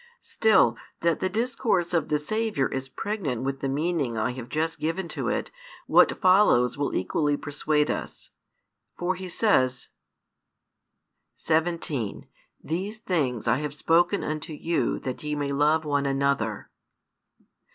Still, that the discourse of the Saviour is pregnant with the meaning I have just given to it what follows will equally persuade us. For he says: 17 These things I have spoken unto you that ye may love one another.